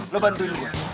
lo bantuin dia